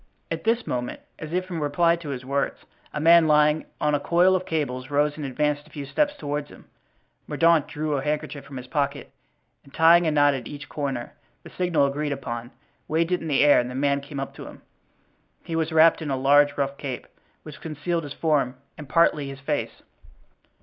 At this moment, as if in reply to his words, a man lying on a coil of cables rose and advanced a few steps toward him. Mordaunt drew a handkerchief from his pocket, and tying a knot at each corner—the signal agreed upon—waved it in the air and the man came up to him. He was wrapped in a large rough cape, which concealed his form and partly his face.